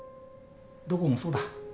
どこもそうだ。